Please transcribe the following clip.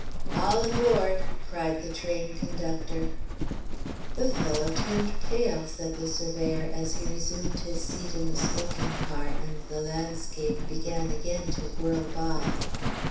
"All aboard!" cried the train conductor. "The fellow turned pale," said the surveyor, as he resumed his seat in the smoking car and the landscape began again to whirl by.